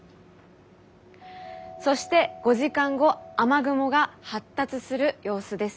そして５時間後雨雲が発達する様子です。